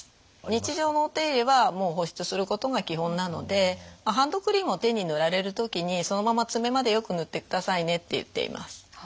日常のお手入れはもう保湿することが基本なのでハンドクリームを手に塗られる時に「そのまま爪までよく塗ってくださいね」って言っています。